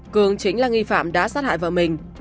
cường chính là nghi phạm đã sát hại vợ mình